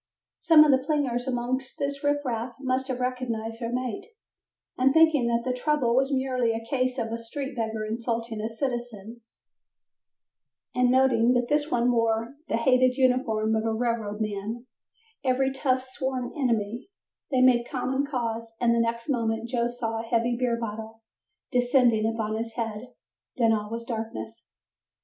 Some of the plingers amongst this riff raff must have recognized their mate, and thinking that the trouble was merely a case of a street beggar insulting a citizen, and noting that this one wore the hated uniform of a railroad man every tough's sworn enemy they made common cause and the next moment Joe saw a heavy beer bottle descending upon his head, then all was darkness.